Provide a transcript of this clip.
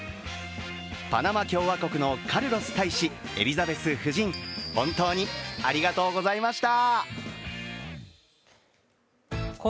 パナマ共和国のカルロス大使、エリザベス夫人、本当にありがとうございました！